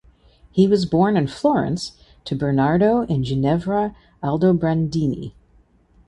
He was born in Florence to Bernardo and Ginevra Aldobrandini.